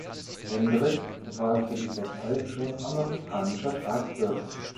Hendrik war zu dieser Zeit schon amerikanischer Staatsbürger.